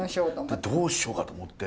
どうしようかと思って。